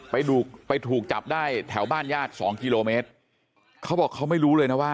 ไปถูกจับได้แถวบ้านญาติ๒กิโลเมตร